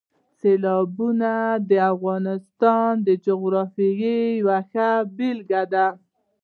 سیلابونه د افغانستان د جغرافیې یوه ښه بېلګه ده.